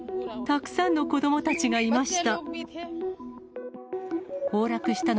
たくさんの子どもたちがいました。